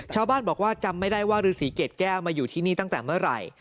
ชาวบ้านบอกว่าจำไม่ได้ว่าฤษีเกรดแก้วมาอยู่ที่นี่ตั้งแต่เมื่อไหร่